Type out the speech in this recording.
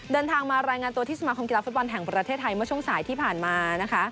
เดินทางมารายงานตัวที่สมาคมกีฬาฟุตบอลแห่งประเทศไทยเมื่อช่วงสายที่ผ่านมานะคะ